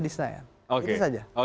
di senayan itu saja